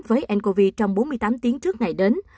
với ncov trong bốn mươi tám tiếng trước ngày đến